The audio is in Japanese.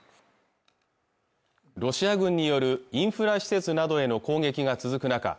ロシア軍によるインフラ施設などへの攻撃が続く中